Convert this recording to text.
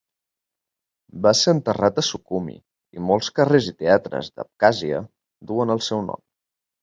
Va ser enterrat a Sukhumi i molts carrers i teatres d'Abkhàzia duen el seu nom.